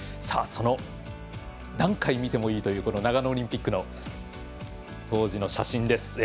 その何回見てもいいという長野オリンピックの当時の写真です。